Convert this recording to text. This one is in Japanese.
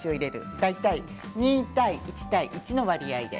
大体２対１対１の割合で。